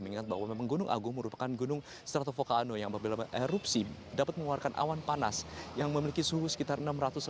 mengingat bahwa gunung agung merupakan gunung stratovolcano yang apabila erupsi dapat mengeluarkan awan panas yang memiliki suhu sekitar enam ratus delapan ratus derajat celcius